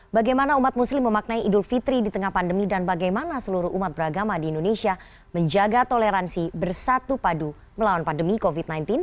bagaimana umat muslim memaknai idul fitri di tengah pandemi dan bagaimana seluruh umat beragama di indonesia menjaga toleransi bersatu padu melawan pandemi covid sembilan belas